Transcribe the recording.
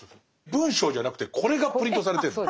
文章じゃなくてこれがプリントされてるの？